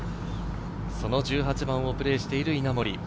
その１８番をプレーしている稲森。